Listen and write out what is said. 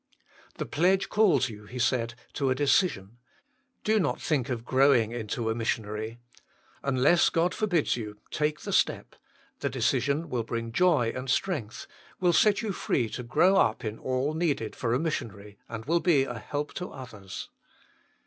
" The pledge calls you," he said, " to a decision. Do not think of growing into a missionary : unless God forbids you, take the step ; the decision will bring joy and strength, will set you free to grow up in all needed for a missionary, and will be a help to others."